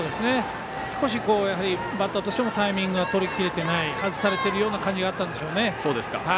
少し、やはりバッターとしてもタイミングがとりきれていない外されている感じがあったんでしょうね。